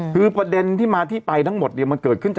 คือประเด็นที่มาที่ไปทั้งหมดเนี่ยมันเกิดขึ้น